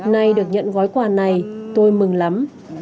nay được nhận gói quà này tôi mừng lắm